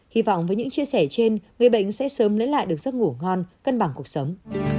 hy vọng với những chia sẻ trên người bệnh sẽ sớm lấy lại được giấc ngủ ngon cân bằng cuộc sống